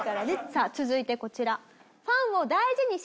さあ続いてこちら。